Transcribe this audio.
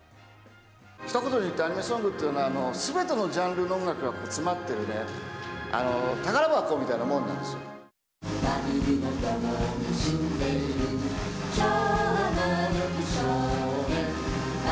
ひと言で言うとアニメソングっていうのは、すべてのジャンルの音楽が詰まっている宝箱みたいなもんなんですよ。